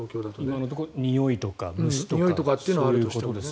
今のところ、においとか虫とかそういうことですね。